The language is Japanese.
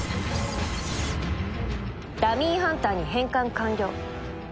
ダミーハンターに変換完了。